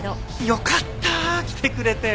よかった来てくれて。